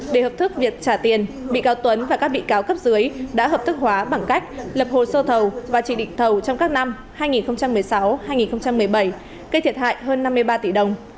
để hợp thức việc trả tiền bị cáo tuấn và các bị cáo cấp dưới đã hợp thức hóa bằng cách lập hồ sơ thầu và chỉ định thầu trong các năm hai nghìn một mươi sáu hai nghìn một mươi bảy gây thiệt hại hơn năm mươi ba tỷ đồng